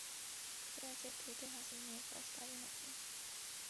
বসে আছে ঠুঁটে হাসি নিয়ে, পস্তাবেন আপনি।